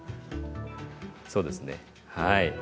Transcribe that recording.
そうですねはい。